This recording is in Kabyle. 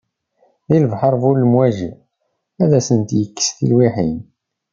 Di lebḥer bu lemwaji, ad asent-yekkes tilwiḥin.